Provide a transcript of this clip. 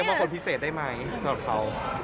แต่เรียกมาคนพิเศษได้ไหมส่วนเขา